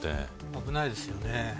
危ないですよね。